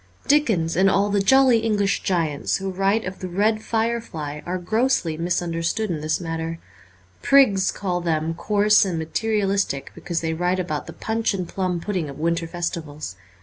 Dickens and all the jolly English giants who write of the red firelight are grossly mis understood in this matter. Prigs call them coarse and materialistic because they write about the punch and plum pudding of winter festivals.